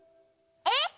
えっ？